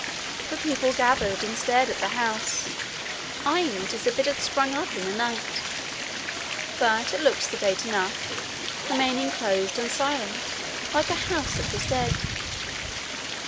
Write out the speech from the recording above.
The people gathered, and stared at the house, eyeing it as if it had sprung up in the night. But it looked sedate enough, remaining closed and silent, like a house that was dead.